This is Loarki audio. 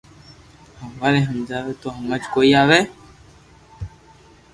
ھواري ھمجاوي تو ھمج ڪوئي آوئي